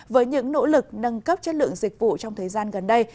với những nỗ lực nâng cấp chất lượng dịch vụ trong thời gian gần đây